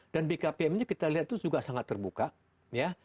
dan bkpm ini kita lihat itu juga sangat terbuka ya